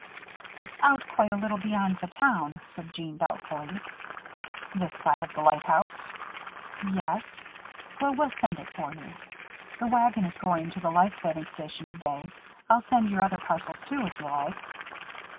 "It's out quite a little beyond the town," said Jeanne, doubtfully. "This side of the lighthouse?" "Yes." "Well, we'll send it for you. The wagon is going to the life saving station today. I'll send your other parcels, too, if you like."